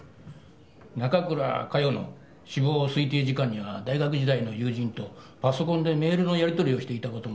中倉佳世の死亡指定時間には大学時代の友人とパソコンでメールのやり取りをしていた事も判明した。